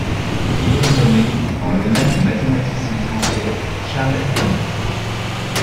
Il est nommé en l'honneur du mathématicien français Charles Hermite.